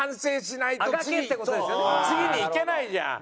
次にいけないじゃん。